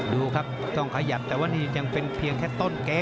ดูครับต้องขยับแต่ว่านี่ยังเป็นเพียงแค่ต้นเก๊